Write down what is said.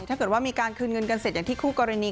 ถ้าเกิดว่ามีการคืนเงินกันเสร็จอย่างที่คู่กรณี